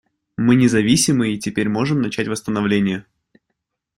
Мы независимы и теперь можем начать восстановление.